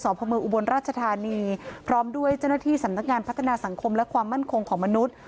พระเมืองอุบลราชธานีพร้อมด้วยเจ้าหน้าที่สำนักงานพัฒนาสังคมและความมั่นคงของมนุษย์